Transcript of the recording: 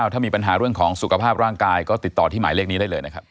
ถ้ามีปัญหาเรื่องของสุขภาพร่างกายก็ติดต่อที่หมายเลขนี้ได้เลยนะครับ